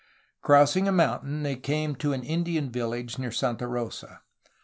Crossing a mountain they came to an Indian village near Santa Rosa.